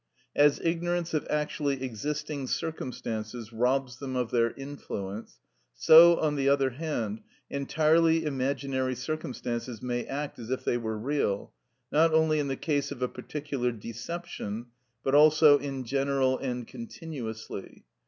As ignorance of actually existing circumstances robs them of their influence, so, on the other hand, entirely imaginary circumstances may act as if they were real, not only in the case of a particular deception, but also in general and continuously.